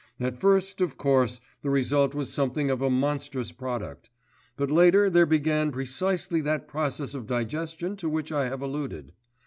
At first, of course, the result was something of a monstrous product; but later there began precisely that process of digestion to which I have alluded.